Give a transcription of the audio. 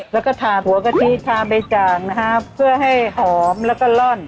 แล้วก็ทาหัวกะทิทาใบจ่างนะครับเพื่อให้หอมแล้วก็ล่อน